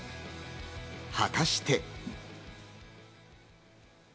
果たして。